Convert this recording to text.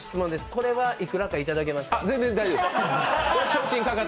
これはいくらか頂けますか？